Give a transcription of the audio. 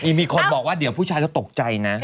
มีคนบอกว่าเดี๋ยวผู้ชายจะตกใจนะ